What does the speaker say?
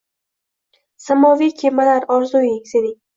Samoviy kemalar, orzuing sening